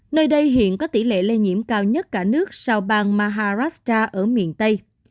nơi đây hiện có tỷ lệ lây nhiễm cao nhất cả nước sau bang maharastra ở miền tây